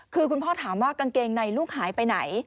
คือคุณพ่อถามว่ากางเกงในลูกหายไปไหน